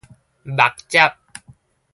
墨汁